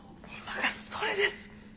今がそれです！